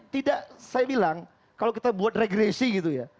tidak saya bilang kalau kita buat regresi gitu ya